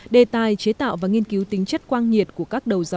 đề tài chế tạo và nghiên cứu tính chất quang nhiệt của các đầu dò này